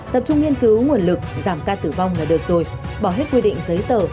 tập trung nghiên cứu nguồn lực giảm ca tử vong là được rồi bỏ hết quy định giấy tờ